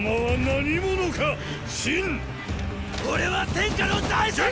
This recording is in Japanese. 俺は天下の大将！